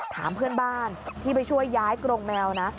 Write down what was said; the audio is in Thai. ถามเพื่อนบ้านที่ไปช่วยย้ายกรงแมวนะ